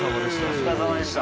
お疲れさまでした。